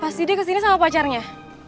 pasti dia kesini sama pacarnya